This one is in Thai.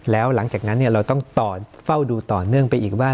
แล้วหลังจากนั้นเราต้องต่อเฝ้าดูต่อเนื่องไปอีกว่า